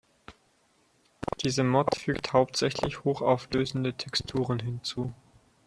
Diese Mod fügt hauptsächlich hochauflösende Texturen hinzu.